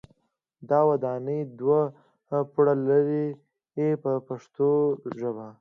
دا ودانۍ دوه پوړه لري په پښتو ژبه.